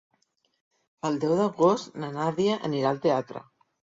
El deu d'agost na Nàdia anirà al teatre.